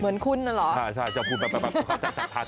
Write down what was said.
เหมือนคุณหรอใช่อย่าพูดแบบทัด